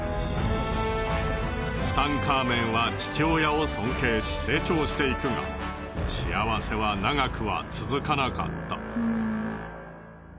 ツタンカーメンは父親を尊敬し成長していくが幸せは長くは続かなかった。